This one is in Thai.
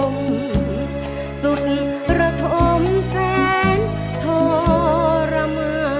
นครปธรรม